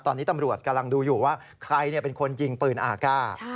ตอนนี้ตำรวจกำลังดูอยู่ว่าใครเป็นคนยิงปืนอากาศ